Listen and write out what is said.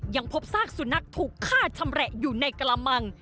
ยังพบซากสุนัขถูกฆ่าชำแหละอยู่ในกระมัง